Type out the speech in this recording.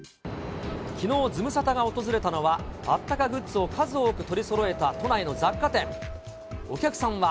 きのう、ズムサタが訪れたのは、あったかグッズを数多く取りそろえた都内の雑貨店。